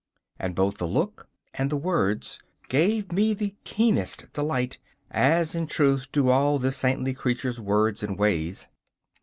And both the look and the words gave me the keenest delight as, in truth, do all this saintly creature's words and ways.